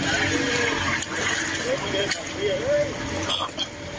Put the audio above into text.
แล้าก็ไม่ต้องกดเลขหรือนาม